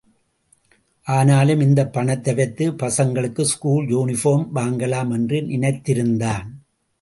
ஆனாலும், இந்தப் பணத்தை வைத்து பசங்களுக்கு ஸ்கூல் யூனிபார்ம் வாங்கலாம் என்று நினைத்திருந்தான்.